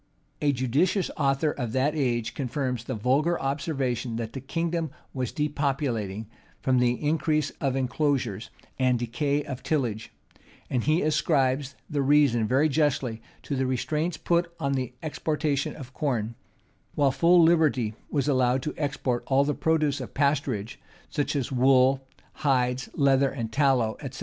A judicious author of that age confirms the vulgar observation, that the kingdom was depopulating, from the increase of enclosures and decay of tillage; and he ascribes the reason very justly to the restraints put oh the exportation of corn; while full liberty was allowed to export all the produce of pasturage, such as wool, hides, leather, tallow, etc.